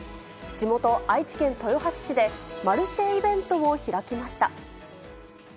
地元、愛知県豊橋市でマルシェイベントを開きました。